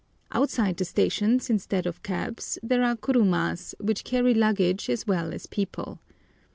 Outside the stations, instead of cabs, there are kurumas, which carry luggage as well as people.